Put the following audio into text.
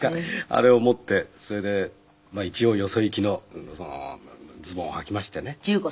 あれを持ってそれで一応よそ行きのズボンをはきましてね。